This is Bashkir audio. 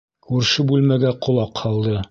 Күрше бүлмәгә ҡолаҡ һалды.